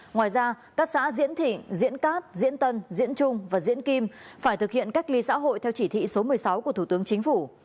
ngoài ra các xã diễn thị diễn cát diễn tân diễn trung và diễn kim phải thực hiện cách ly xã hội theo chỉ thị số một mươi sáu của thủ tướng chính phủ